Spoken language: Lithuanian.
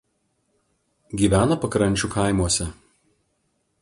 Gyvena pakrančių kaimuose.